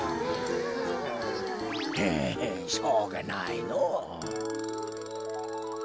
はあしょうがないのお。